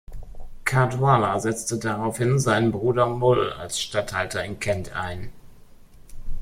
Caedwalla setzte daraufhin seinen Bruder Mul als Statthalter in Kent ein.